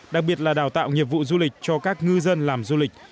đặc biệt là đào tạo nghiệp vụ du lịch cho các ngư dân làm du lịch